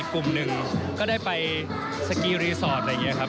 กลุ่มหนึ่งก็ได้ไปสกีรีสอร์ทอะไรอย่างนี้ครับ